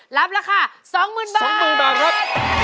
หลับราคา๒๐๐๐๐บาท